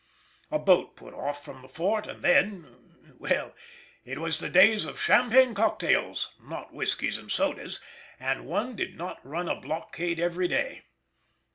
A boat put off from the fort and then,—well, it was the days of champagne cocktails, not whiskies and sodas—and one did not run a blockade every day.